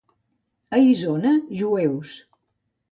A Isona, jueus.